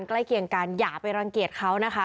ใกล้เคียงกันอย่าไปรังเกียจเขานะคะ